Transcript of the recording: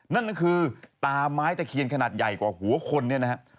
นั่นก็คือตาไม้ตะเคียนขนาดใหญ่กว่าหัวคนเนี่ยนะฮะ